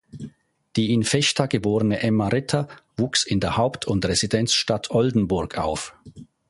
Die in Vechta geborene Emma Ritter wuchs in der Haupt- und Residenzstadt Oldenburg auf.